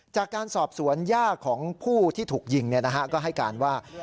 จากการสอบสวนย่าของผู้ที่ถูกยิงก็ให้การว่า